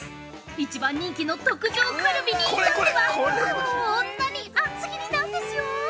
一番人気の特上カルビに至ってはこーんなに厚切りなんですよー！